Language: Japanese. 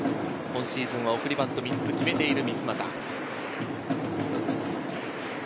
今シーズン、送りバントを３つ決めている。